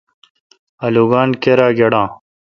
آلوگان کیرا گیڈا۔